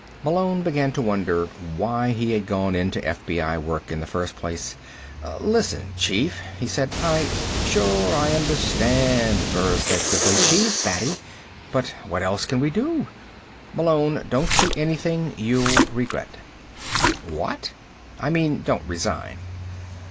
Malone began to wonder why he had gone into FBI work in the first place. "Listen, chief," he said. "I " "Sure, I understand," Burris said quickly. "She's batty. But what else can we do? Malone, don't do anything you'll regret." "What?" "I mean, don't resign."